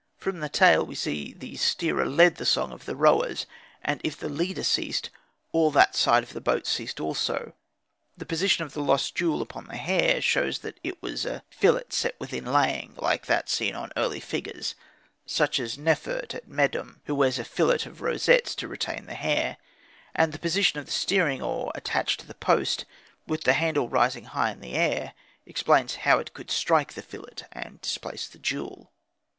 From the tale we see that the steerer led the song of the rowers, and if the leader ceased, all that side of the boat ceased also.. The position of the lost jewel upon the hair shows that it was in a fillet set with inlaying, like that seen on early figures, such as Nefert at Medum, who wears a fillet of rosettes to retain the hair; and the position of the steering oar attached to a post, with the handle rising high in the air, explains how it could strike the fillet and displace the jewel.